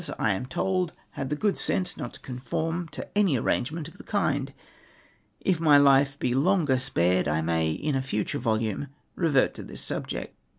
I am told, liad tlie good sense not to conform to any arrangement of the kind. If my life be longer spared I may in a fnture volume revert to this subject.